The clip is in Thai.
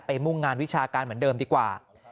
มุ่งงานวิชาการเหมือนเดิมดีกว่า